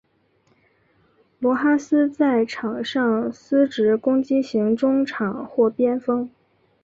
罗哈斯在场上司职攻击型中场或边锋。